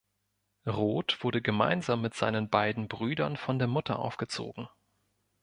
Roth wurde gemeinsam mit seinen beiden Brüdern von der Mutter aufgezogen.